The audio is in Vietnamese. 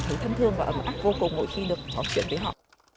tôi thân thương và ấm áp vô cùng mỗi khi được họ chuyện với họ